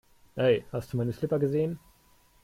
Hey, hast du meine Slipper gesehen?